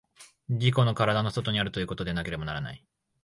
自己の身体の外にあるということでなければならぬ。